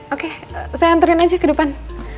oke saya anterin aja ke depan